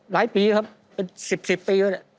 หลายปีครับเป็น๑๐ปีแล้วเนี่ย